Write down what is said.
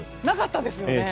なかったですよね。